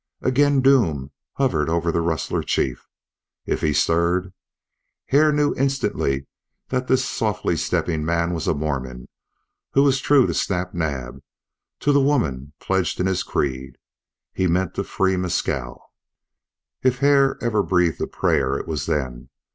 Again doom hovered over the rustler chief. If he stirred! Hare knew instantly that this softly stepping man was a Mormon; he was true to Snap Naab, to the woman pledged in his creed. He meant to free Mescal. If ever Hare breathed a prayer it was then.